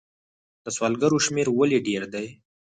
د سوالګرو شمیر ولې ډیر دی؟